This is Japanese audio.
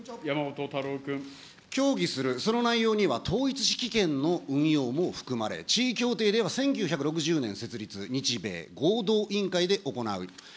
協議する、その内容には統一指揮権の運用も含まれ、地位協定では１９６０年設立、日米合同委員会で行われる。